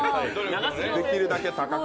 できるだけ高く。